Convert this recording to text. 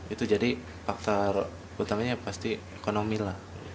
itu jadi faktor utamanya pasti ekonomi lah